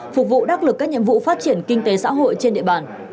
phục vụ đắc lực các nhiệm vụ phát triển kinh tế xã hội trên địa bàn